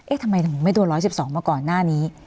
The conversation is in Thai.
ทำไมถึงไม่โดน๑๑๒มาก่อนหน้านี้